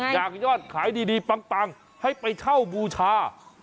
ยอดขายดีปังให้ไปเช่าบูชา